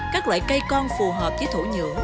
các loại cây con phù hợp với thổ nhưỡng